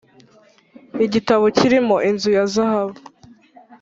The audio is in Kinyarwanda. igitabo kirimo inzu ya zahabu